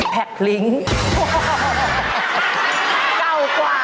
เก่ากว่า